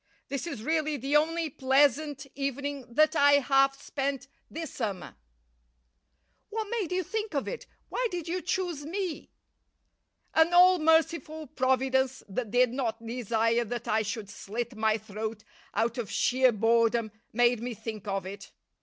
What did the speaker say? This is really the only pleasant evening that I have spent this summer." "What made you think of it? Why did you choose me?" "An all merciful Providence that did not desire that I should slit my throat out of sheer boredom made me think of it.